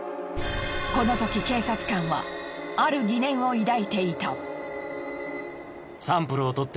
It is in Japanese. このとき警察官はある疑念を抱いていた。